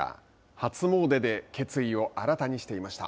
初詣で決意を新たにしていました。